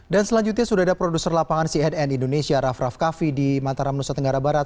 dan selanjutnya sudah ada produser lapangan cnn indonesia raff raff kaffi di mataram nusa tenggara barat